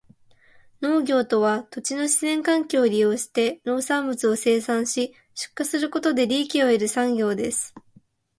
農業とは、土地の自然環境を利用して農産物を生産し、出荷することで利益を得る産業です。